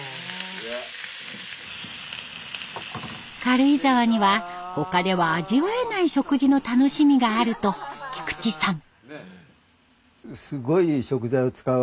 軽井沢には他では味わえない食事の楽しみがあると菊池さん。